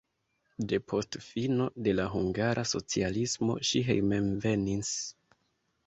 Depost fino de la hungara socialismo ŝi hejmenvenis.